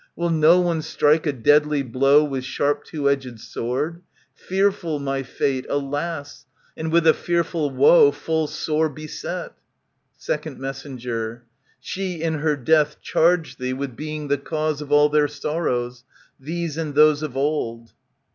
Will no one strike A deadly blow with sharp two edged sword ? Fearful my fate, alas !*'^^ And with a fearful woe full sore beset. ^ec. Mess. She in her death charged thee with being the cause Of all their sorrows, these and those of old.